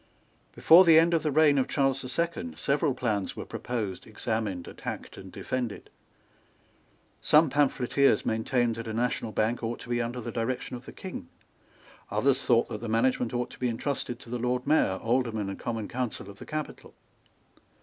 Before the end of the reign of Charles the Second several plans were proposed, examined, attacked and defended. Some pamphleteers maintained that a national bank ought to be under the direction of the King. Others thought that the management ought to be entrusted to the Lord Mayor, Aldermen and Common Council of the capital.